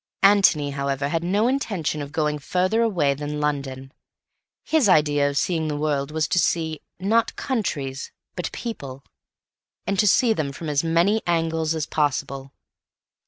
Antony, however, had no intention of going further away than London. His idea of seeing the world was to see, not countries, but people; and to see them from as many angles as possible.